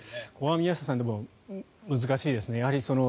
宮下さんでも、難しいですね。